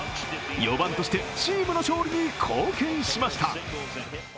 ４番としてチームの勝利に貢献しました。